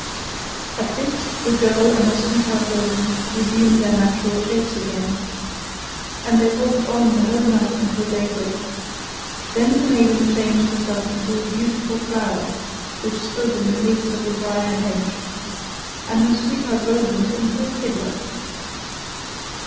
At this the girl and her sweetheart Roland resumed their natural shapes again, and they walked on the whole night until daybreak. Then the maiden changed herself into a beautiful flower which stood in the midst of a briar hedge, and her sweetheart Roland into a fiddler.